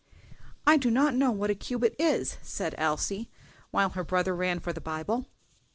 "I do not know what a cubit is," said Elsie, while her brother ran for the Bible.